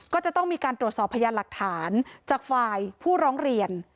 ก็จะต้องมีการตรวจสอบพยานหลักฐานจากฝ่ายผู้ร้องเรียน